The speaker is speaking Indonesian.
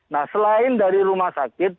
nah selain dari rumah sakit